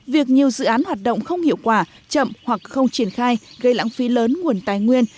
việc nhiều dự án hoạt động không hiệu quả chậm hoặc không triển khai gây lãng phí lớn nguồn tài nguyên